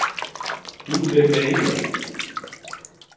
Tu debe ir.